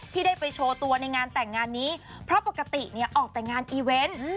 ที่ได้ไปโชว์ตัวในงานแต่งงานนี้เพราะปกติเนี่ยออกแต่งานอีเวนต์